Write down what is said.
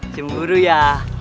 simp guru ya